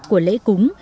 của lễ cúng